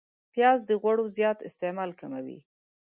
پیاز د غوړو زیات استعمال کموي